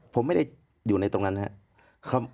ผมไม่ได้อยู่ในตรงนั้นนะครับ